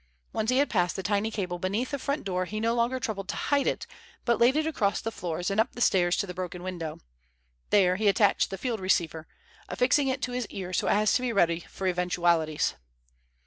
Once he had passed the tiny cable beneath the front door he no longer troubled to hide it but laid it across the floors and up the stairs to the broken window. There he attached the field receiver, affixing it to his ear so as to be ready for eventualities.